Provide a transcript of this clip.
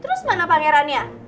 terus mana pangerannya